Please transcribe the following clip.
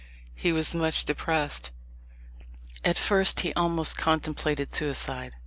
"He was much depressed. At first he almost contemplated suicide.